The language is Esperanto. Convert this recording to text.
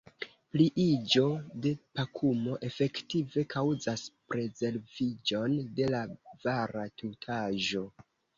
Pliiĝo de pakumo efektive kaŭzas prezleviĝon de la vara tutaĵo.